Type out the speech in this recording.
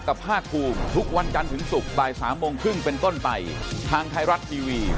รอดูกันนะครับ